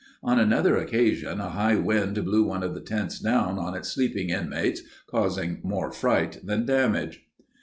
On another occasion a high wind blew one of the tents down on its sleeping inmates, causing more fright than damage.